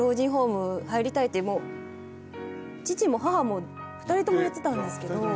って父も母も２人とも言ってたんですけど。